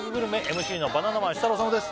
ＭＣのバナナマン設楽統です